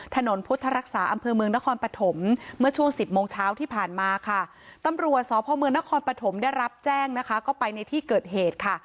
ถนนพุทธรักษาอำเภอเมืองนครปฐมเมื่อช่วงสิบโมงเช้าที่ผ่านมาค่ะตำรวจสพเมืองนครปฐมได้รับแจ้งนะคะก็ไปในที่เกิดเหตุค่ะ